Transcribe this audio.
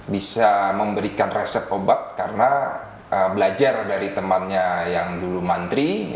bisa memberikan resep obat karena belajar dari temannya yang dulu mantri